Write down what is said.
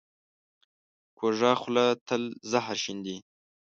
کوږه خوله تل زهر شیندي